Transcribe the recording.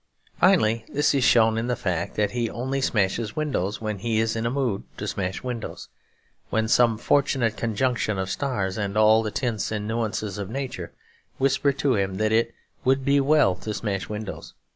Finally, this is shown in the fact that he only smashes windows when he is in the mood to smash windows; when some fortunate conjunction of stars and all the tints and nuances of nature whisper to him that it would be well to smash windows.